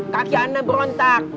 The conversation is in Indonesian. kaki anak berontak